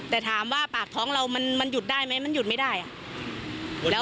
แต่ถามว่าปากท้องเรามันหยุดได้ไหมมันหยุดไม่ได้อ่ะ